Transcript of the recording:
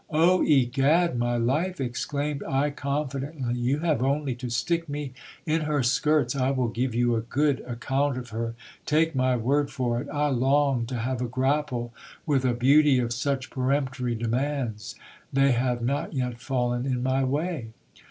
Oh ! egad, my life, exclaimed I confidently, you have only to stick me in her skirts, I will give you a good ac count of her, take my word for it. I long to have a grapple with a beauty of such peremptory demands, they have not yet fallen in my way.